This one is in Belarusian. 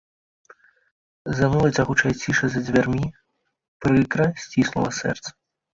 Заныла цягучая ціша за дзвярмі, прыкра сціснула сэрца.